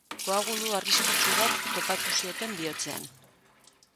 Koagulu arriskutsu bat topatu zioten bihotzean.